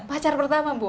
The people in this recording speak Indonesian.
pacar pertama bu